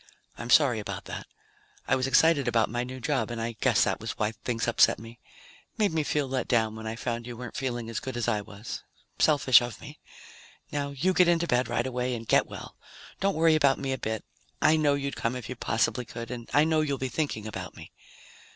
"I'm sorry about that. I was excited about my new job and I guess that was why things upset me. Made me feel let down when I found you weren't feeling as good as I was. Selfish of me. Now you get into bed right away and get well. Don't worry about me a bit. I know you'd come if you possibly could. And I know you'll be thinking about me.